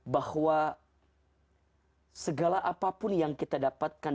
bahwa segala apapun yang kita dapatkan